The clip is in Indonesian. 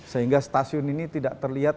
sehingga stasiun ini tidak terlihat